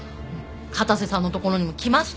片瀬さんの所にも来ました？